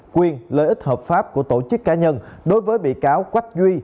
quyền lợi ích hợp pháp của tổ chức cá nhân đối với bị cáo quách duy